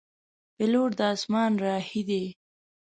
پیلوټ د اسمان راهی دی.